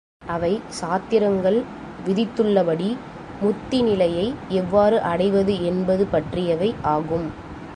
அவை சாத்திரங்கள் விதித்துள்ளபடி முத்தி நிலையை எவ்வாறு அடைவது என்பது பற்றியவை ஆகும்.